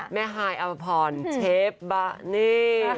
แม่ไฮอัพพริพย์เชฟบะนี่